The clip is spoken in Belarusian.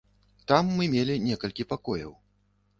Там мы мелі некалькі пакояў.